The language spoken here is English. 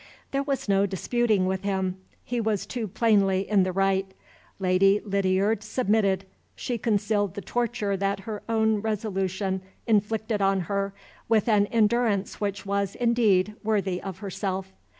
There was no disputing with him he was too plainly in the right. Lady Lydiard submitted; she concealed the torture that her own resolution inflicted on her with an endurance which was, indeed, worthy of herself.